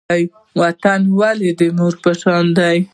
وطن ولې د مور په شان دی؟